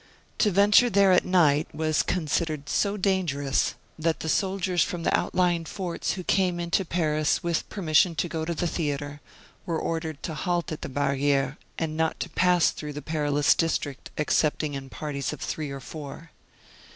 To venture there at night was considered so dangerous that the soldiers from the outlying forts who came in to Paris with permission to go to the theatre, were ordered to halt at the barriere, and not to pass through the perilous district excepting in parties of three or four.